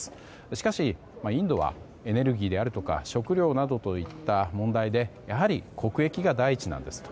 しかし、インドはエネルギーであるとか食糧などといった問題でやはり国益が第一なんですと。